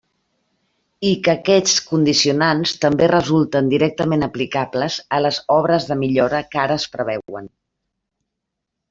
I que aquests condicionants també resulten directament aplicables a les obres de millora que ara es preveuen.